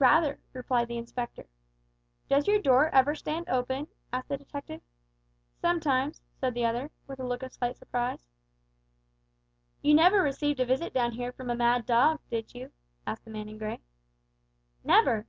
"Rather," replied the Inspector. "Does your door ever stand open?" asked the detective. "Sometimes," said the other, with a look of slight surprise. "You never received a visit down here from a mad dog, did you?" asked the man in grey. "Never!"